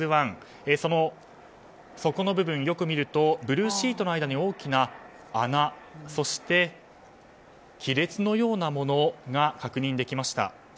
その底の部分よく見るとブルーシートの間に大きな穴そして亀裂のようなものが確認できました。